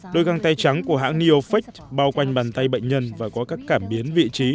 đôi găng tay trắng của hãng neofake bao quanh bàn tay bệnh nhân và có các cảm biến vị trí